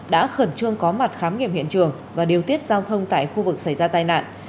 đã khẩn trương có mặt khám nghiệm hiện trường và điều tiết giao thông tại khu vực xảy ra tai nạn